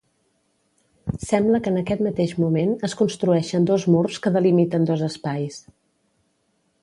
Sembla que en aquest mateix moment es construeixen dos murs que delimiten dos espais.